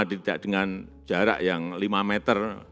tidak dengan jarak yang lima meter